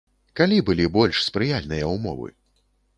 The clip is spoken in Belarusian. Калі былі больш спрыяльныя ўмовы?